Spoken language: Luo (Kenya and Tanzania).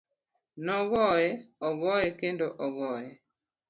Nogoye, ogoye kendo ogoye.